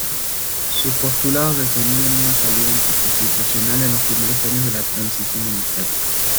Sus postulados defendían una salida anticonstitucional en los primeros años de la Transición democrática.